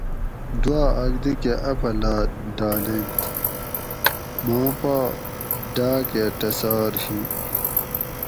دوا آک دی کہ اپھلاۤت ڈالینت ماں پا ڈاکہ ٹسار ھی